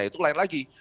itu lain lagi